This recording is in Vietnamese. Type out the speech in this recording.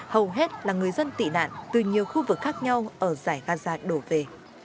hầu hết là người dân tị nạn từ nhiều khu vực khác nhau ở giải gaza đổ về